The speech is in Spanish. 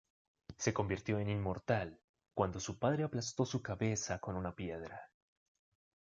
Se convirtió en "Inmortal" cuando su padre aplastó su cabeza con una piedra.